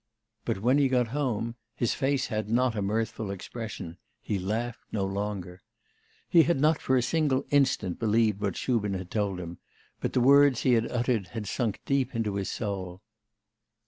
But when he got home, his face had not a mirthful expression; he laughed no longer. He had not for a single instant believed what Shubin had told him, but the words he had uttered had sunk deep into his soul.